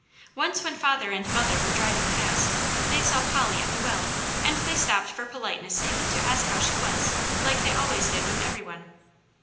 Once when father and mother were driving past, they saw Polly at the well and they stopped for politeness sake to ask how she was, like they always did with every one.